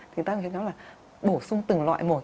thì ta khuyến cáo là bổ sung từng loại một